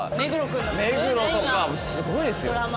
目黒とかすごいですよ。